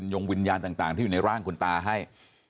ยงวิญญาณต่างที่อยู่ในร่างคุณตาให้